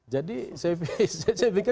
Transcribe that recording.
jadi saya pikir